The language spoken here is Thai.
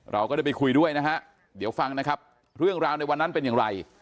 เราก็ได้ไปคุยด้วยนะฮะเดี๋ยวฟังนะครับเรื่องราวในวันนั้นเป็นอย่างไร